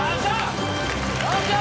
よっしゃ！